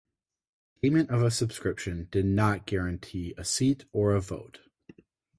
Payment of a subscription did not guarantee a seat or a vote.